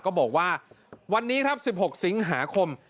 ก็บอกว่าวันนี้๑๖เสียงหาคม